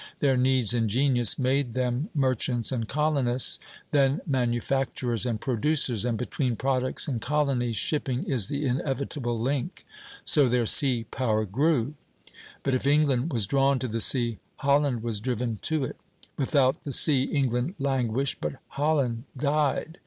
Their needs and genius made them merchants and colonists, then manufacturers and producers; and between products and colonies shipping is the inevitable link. So their sea power grew. But if England was drawn to the sea, Holland was driven to it; without the sea England languished, but Holland died.